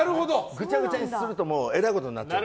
ぐちゃぐちゃにするとえらいことになっちゃう。